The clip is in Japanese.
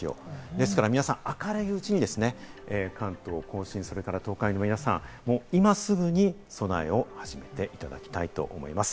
ですから皆さん、明るいうちに関東甲信、それから東海の皆さん、今すぐに備えを始めていただきたいと思います。